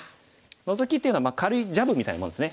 ノゾキっていうのは軽いジャブみたいなもんですね。